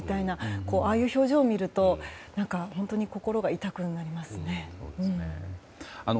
ああいう表情を見ると本当に心が痛くなりますよね。